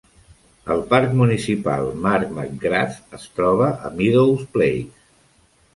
El parc municipal Mark McGrath es troba a Meadows Place.